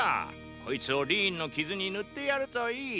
こいつをリーンの傷に塗ってやるといい。